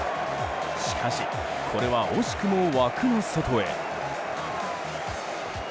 しかし、これは惜しくも枠の外へ。